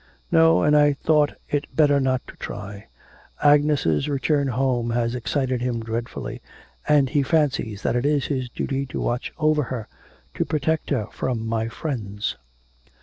'No, and I thought it better not to try. Agnes' return home has excited him dreadfully, and he fancies that it is his duty to watch over her to protect her from my friends.'